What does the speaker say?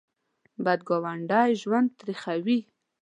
بد ګاونډی ژوند تریخوي